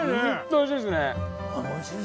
おいしいですね。